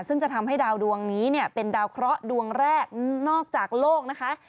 ซึ่งจะทำให้ดาวดวงนี้เนี่ยเป็นดาวเคราะห์ดวงแรกนอกจากโลกนะคะ